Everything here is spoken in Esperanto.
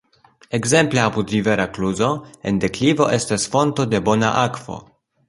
Ekzemple apud rivera kluzo en deklivo estas fonto de bona akvo.